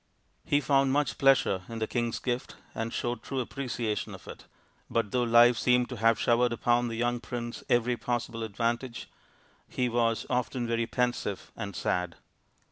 He found much pleasure in the king's gift, and showed true appreciation of it ; but though life seemed to have showered upon the young prince every possible advantage, he was often very pensive and sad.